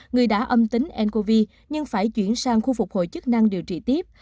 người đã âm tính ncov nhưng phải chuyển sang khu phục hồi chức năng điều trị tiếp